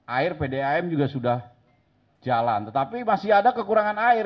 air pdam juga sudah jalan tetapi masih ada kekurangan air